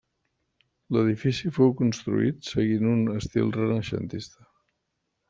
L'edifici fou construït seguint un estil renaixentista.